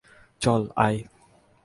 চল, আয়!